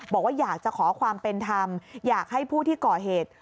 บอกว่าอยากจะขอความเป็นธรรมอยากให้ผู้ที่ก่อเหตุ